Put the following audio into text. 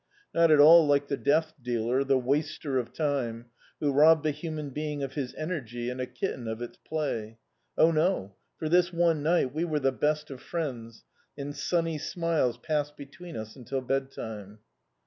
Not at all like the death dealer, the waster of time, who robbed a human being of his energy and a kitten of its play. Oh, no; for this (me ni^t we were the best of friends, and sunny smiles passed between us until bed time.